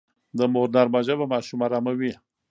د مور نرمه ژبه ماشوم اراموي.